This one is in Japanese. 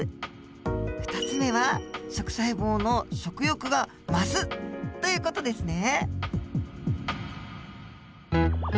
２つ目は食細胞の食欲が増すという事ですね。